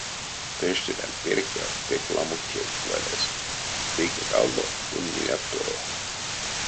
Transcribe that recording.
Пещеранть перька пек ламо кевть валязь, вейкенть алдо тон муят торо.